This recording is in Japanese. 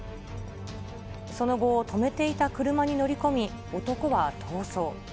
その後、止めていた車に乗り込み、男は逃走。